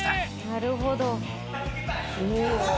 なるほど。